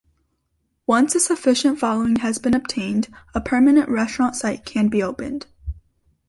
Once a sufficient following has been obtained, a permanent restaurant site can be opened.